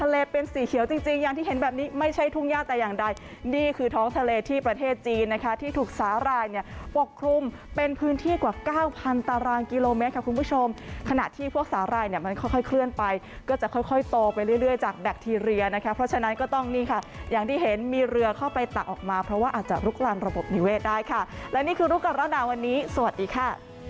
ไล่เนี้ยมันค่อยค่อยเคลื่อนไปก็จะค่อยค่อยโตไปเรื่อยเรื่อยจากแบคทีเรียนะคะเพราะฉะนั้นก็ต้องนี่ค่ะอย่างที่เห็นมีเรือเข้าไปตักออกมาเพราะว่าอาจจะลุกรันระบบนิเวศได้ค่ะและนี่คือลูกการเล่าหนาวันนี้สวัสดีค่ะ